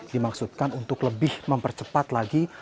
dimaksudkan untuk lebih mempercepat lagi